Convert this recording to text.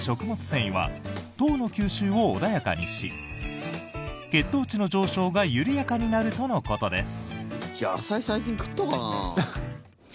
繊維は糖の吸収を穏やかにし血糖値の上昇が緩やかになるとのことです。